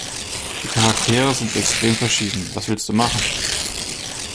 Die Charaktere sind extrem verschieden. Was willste machen?